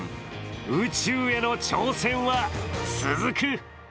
宇宙への挑戦は続く！